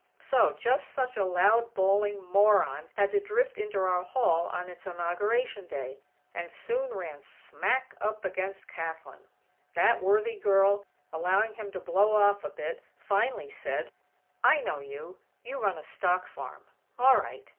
So, just such a loud, bawling moron had to drift into our Hall on its inauguration day, and soon ran smack up against Kathlyn! That worthy girl, allowing him to "blow off" a bit, finally said: "I know you. You run a stock farm. All right.